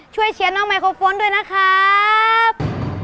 เชียร์น้องไมโครโฟนด้วยนะครับ